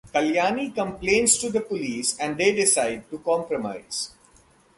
Kalyani complains to the police and they decide to compromise.